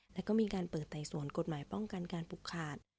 แล้วก็มีการเปิดไต่สวนกฎหมายป้องกันการปลูกขาด